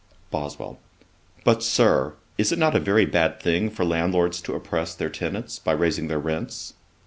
BOSWELL. 'But, Sir, is it not a very bad thing for landlords to oppress their tenants, by raising their rents?'